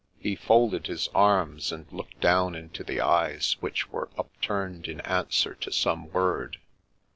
He folded his arms, and looked down into the eyes which were upturned in answer to some word.